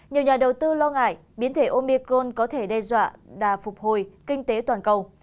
nhiều nhà đầu tư lo ngại biến thể omicron có thể đe dọa đà phục hồi kinh tế toàn cầu